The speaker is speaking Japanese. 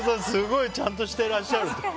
すごいちゃんとしてらっしゃる。